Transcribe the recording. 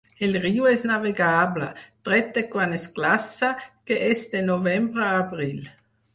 El riu és navegable, tret de quan es glaça, que és de novembre a abril.